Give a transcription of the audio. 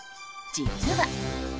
実は。